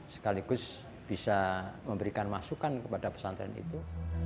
sekaligus bisa memberikan masukan kepada pesantren itu